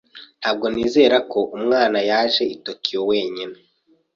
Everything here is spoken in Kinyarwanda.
Ntabwo nizera ko umwana yaje i Tokiyo wenyine.